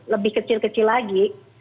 lebih kecil kecil lagi